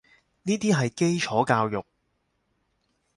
呢啲係基礎教育